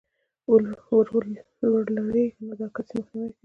ورلوېږي، نو دا كس ئې مخنيوى كوي